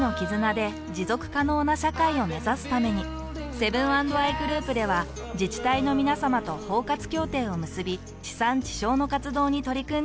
セブン＆アイグループでは自治体のみなさまと包括協定を結び地産地消の活動に取り組んでいます。